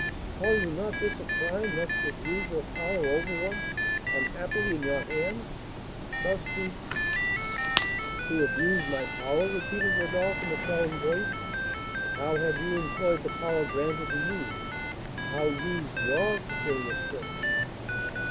Call you not this a crime thus to abuse your power over one unhappily in your hands? Thus to " "To abuse my power!" repeated Rodolph, in a solemn voice. "And how have you employed the power granted to you? How used your superior strength?"